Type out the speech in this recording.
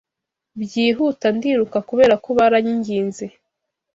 Byihuta ndiruka, Kuberako baranyinginze